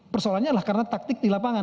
persoalannya adalah karena taktik di lapangan